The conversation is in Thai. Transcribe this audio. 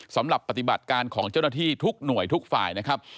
สำหรับปฏิบัติการของเจ้าหน้าที่ทุกหน่วยทุกฝ่ายนะครับ